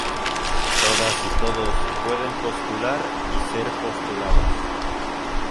Todas y todos pueden postular y ser postulados.